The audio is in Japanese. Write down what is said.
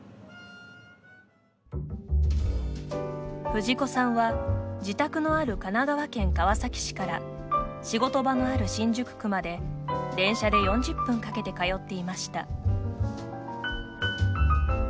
藤子さんは自宅のある神奈川県川崎市から仕事場のある新宿区まで電車で４０分かけて通っていました。